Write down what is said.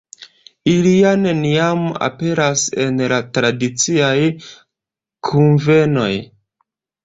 Ili ja neniam aperas en la tradiciaj kunvenoj.